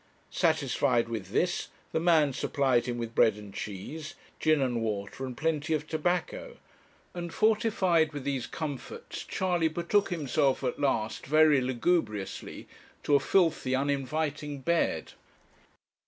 Satisfied with this, the man supplied him with bread and cheese, gin and water, and plenty of tobacco; and, fortified with these comforts, Charley betook himself at last very lugubriously, to a filthy, uninviting bed.